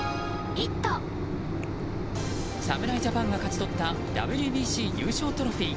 侍ジャパンが勝ち取ったＷＢＣ優勝トロフィー。